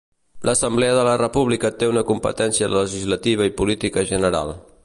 L'Assemblea de la República té una competència legislativa i política general.